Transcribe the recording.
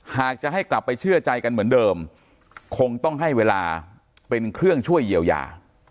หากจะให้กลับไปเชื่อใจกันเหมือนเดิมคงต้องให้เวลาเป็นเครื่องช่วยเยียวยา